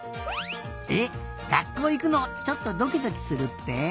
えっ学校いくのちょっとドキドキするって？